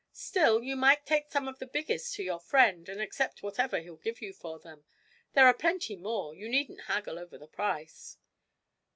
Still, you might take some of the biggest to your friend, and accept whatever he'll give you for them there are plenty more, you needn't haggle over the price.'